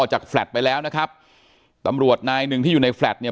แฟลตไปแล้วนะครับตำรวจนายหนึ่งที่อยู่ในแฟลตเนี่ย